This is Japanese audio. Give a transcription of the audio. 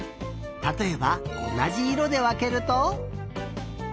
たとえばおなじいろでわけると。